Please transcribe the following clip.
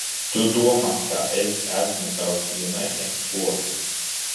Tu domā, ka es esmu tavs ienaidnieks, ko?